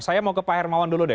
saya mau ke pak hermawan dulu deh